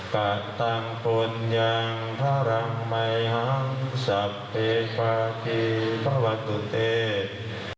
กะตังคุณอย่างพระรังใหม่หังสับเพศพระที่พระวัตถุเตศ